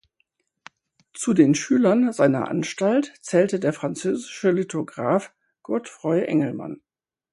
Zu den Schülern seiner Anstalt zählte der französische Lithograf Godefroy Engelmann.